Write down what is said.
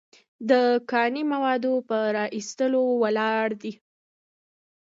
د کاني موادو په را ایستلو ولاړ دی.